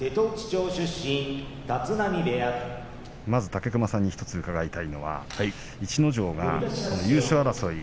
武隈さんに１つ伺いたいのは逸ノ城が優勝争い